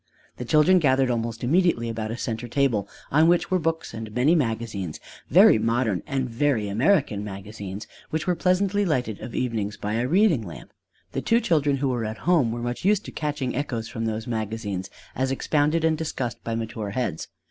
The children gathered almost immediately about a centre table on which were books and many magazines, very modern and very American magazines, which were pleasantly lighted of evenings by a reading lamp. The two children who were at home were much used to catching echoes from those magazines as expounded and discussed by mature heads.